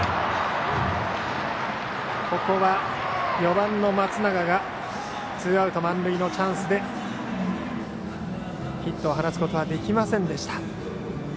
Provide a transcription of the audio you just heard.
ここは４番の松永がツーアウト満塁のチャンスでヒットを放つことはできませんでした。